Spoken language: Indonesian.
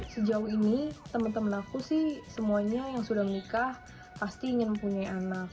sejauh ini temen temen aku sih semuanya yang sudah menikah pasti ingin mempunyai anak